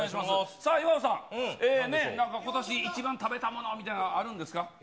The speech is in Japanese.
さあ、岩尾さん、ことし一番食べたものみたいなのはあるんですか？